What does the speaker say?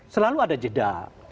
selalu ada jeda